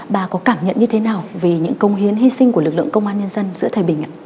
bà có cảm nhận như thế nào về những công hiến hy sinh của lực lượng công an nhân dân giữa thời bình ạ